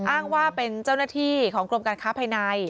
อ้างว่าเป็นเจ้าหน้าที่ของกรมการค้าภายใน